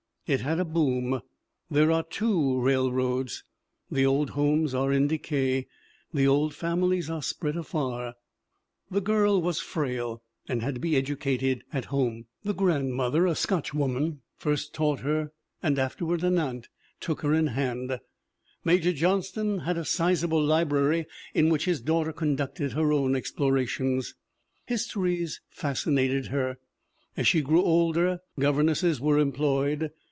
It had a boom. There are two railroads. The old homes are in decay. The old families are spread afar. The girl was frail and had to be educated at home. Her grandmother, a Scotchwoman, first taught her and afterward an aunt took her in hand. Major MARY JOHNSTON 139 Johnston had a sizable library in which his daughter conducted her own explorations. Histories fascinated her. As she grew older governesses were employed.